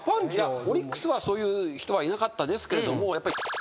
オリックスはそういう人はいなかったですけれども。